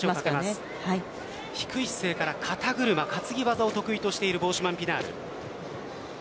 低い姿勢から肩車担ぎ技を得意としているボーシュマンピナール。